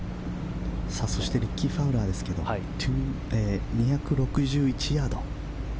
そしてリッキー・ファウラーですが２６１ヤード。